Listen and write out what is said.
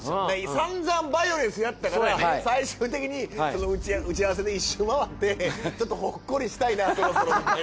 さんざんバイオレンスやったから最終的に打ち合わせで一周回ってちょっとほっこりしたいなそろそろみたいな。